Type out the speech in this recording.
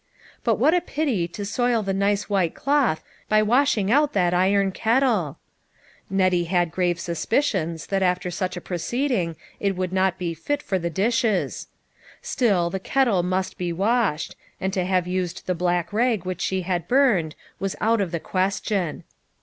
But what a pity to soil the nice white cloth by washing out that iron kettle ! Nettie had grave suspicions that after such a proceeding it would not be fit for the dishes. Still, the kettle must be washed, and to have used the black rag which she had burned, was out of the question.